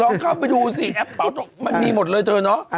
เข้าไปดูสิแอปเป่ามันมีหมดเลยเธอเนาะ